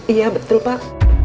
iya betul pak